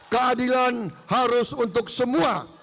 keadilan harus untuk semua